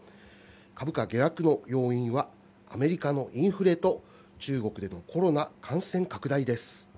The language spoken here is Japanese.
株価下落の要因はアメリカのインフレと、中国でのコロナ感染拡大です。